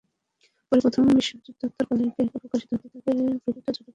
পরে প্রথম বিশ্বযুদ্ধোত্তরকালে একে একে প্রকাশিত হতে থাকে প্রকৃত ছোট কাগজগুলো।